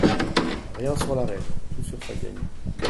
Rien sur La Reine , tout sur Fabiani.